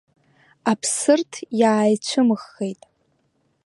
Аԥсырҭ иааицәымыӷхеит.